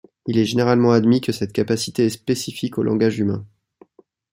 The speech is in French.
Il est généralement admis que cette capacité est spécifique au langage humain.